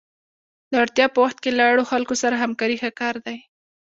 د اړتیا په وخت کې له اړو خلکو سره همکاري ښه کار دی.